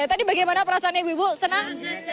tadi bagaimana perasaannya ibu senang